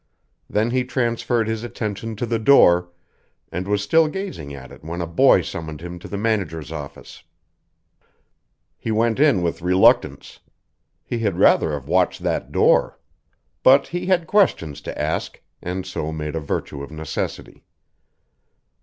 Then he transferred his attention to the door, and was still gazing at it when a boy summoned him to the manager's office. He went in with reluctance. He had rather have watched that door. But he had questions to ask, and so made a virtue of necessity.